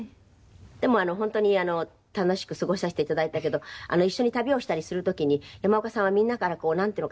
でも本当に楽しく過ごさせていただいたけど一緒に旅をしたりする時に山岡さんはみんなからこうなんていうのかしら？